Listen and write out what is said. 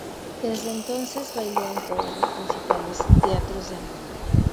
Desde entonces bailó en todos los principales teatros de Alemania.